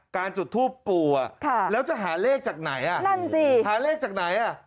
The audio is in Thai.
การจุดถูปปูแล้วจะหาเลขจากไหน